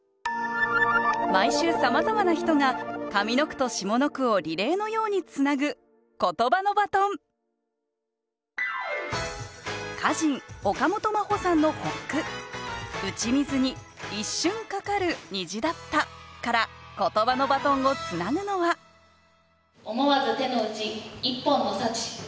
毎週さまざまな人が上の句と下の句をリレーのようにつなぐ歌人岡本真帆さんの発句「打ち水に一瞬架かる虹だった」からことばのバトンをつなぐのは「思わず手の内一本の幸」。